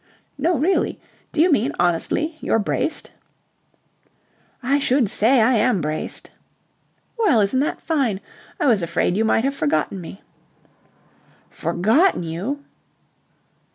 "No, really? Do you mean, honestly, you're braced?" "I should say I am braced." "Well, isn't that fine! I was afraid you might have forgotten me." "Forgotten you!"